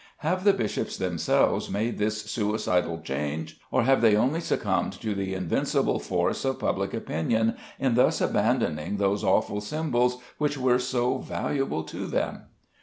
Have the bishops themselves made this suicidal change; or have they only succumbed to the invincible force of public opinion in thus abandoning those awful symbols which were so valuable to them?